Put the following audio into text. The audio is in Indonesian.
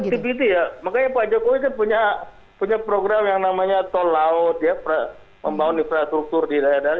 connectivity ya makanya pak joko itu punya program yang namanya tol laut ya membangun infrastruktur di daerah